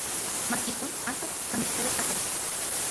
Maski ijkon, astatl san okitaya tlakuali.